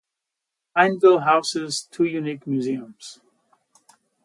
Pineville houses two unique museums.